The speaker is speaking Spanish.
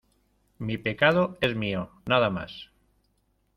mi pecado es mío nada más.